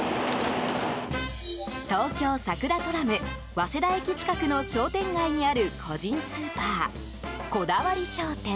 東京さくらトラム早稲田駅近くの商店街にある個人スーパー、こだわり商店。